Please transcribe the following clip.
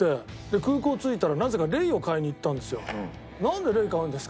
空港着いたらなぜかレイを買いに行ったんですよ。